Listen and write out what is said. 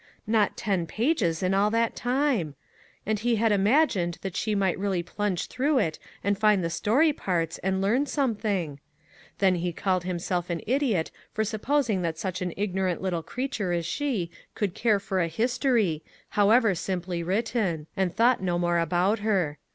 Not ten pages in all that time! And he had imagined that she might really plunge through it and find the story parts, and learn something ! Then '39 MAG AND MARGARET he called himself an idiot for supposing that such an ignorant little creature as she could care for a history, however simply written; and thought no more about her.